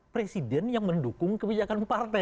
presiden yang mendukung kebijakan partai